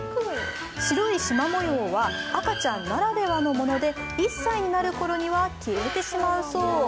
白いしま模様は赤ちゃんならではのもので、１歳になるころには消えてしまうそう。